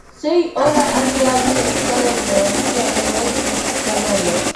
Seis horas antes había estado todavía en el escenario.